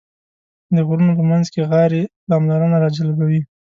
د غرونو په منځ کې غارې پاملرنه راجلبوي.